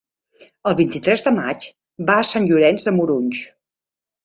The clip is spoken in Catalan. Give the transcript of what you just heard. El vint-i-tres de maig va a Sant Llorenç de Morunys.